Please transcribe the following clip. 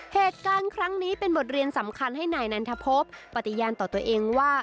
เหตุการณ์ครั้งนี้เป็นบทเรียนสำคัญให้นายนันทพบปฏิญาณต่อตัวเองว่า